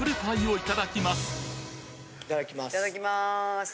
いただきます。